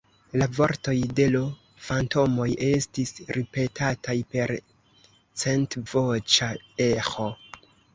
La vortoj de l' fantomoj estis ripetataj per centvoĉa eĥo.